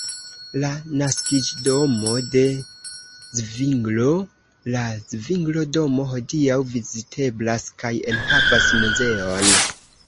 La naskiĝdomo de Zvinglo, la "Zvinglo-Domo" hodiaŭ viziteblas kaj enhavas muzeon.